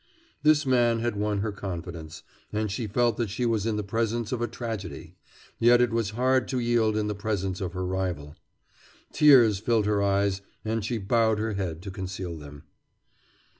This man had won her confidence, and she felt that she was in the presence of a tragedy, yet it was hard to yield in the presence of her rival. Tears filled her eyes, and she bowed her head to conceal them.